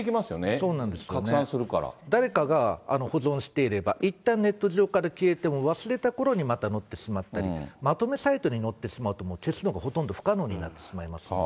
そうなんですよね、誰かが保存していれば、いったん、ネット上から消えても、忘れたころにまた載ってしまったり、まとめサイトに載ってしまうと、もう消すのがほとんど不可能になってしまいます。